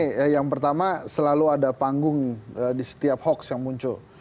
oke yang pertama selalu ada panggung di setiap hoax yang muncul